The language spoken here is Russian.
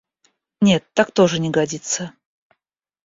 Нет, так тоже не годится!